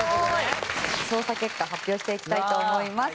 調査結果発表していきたいと思います。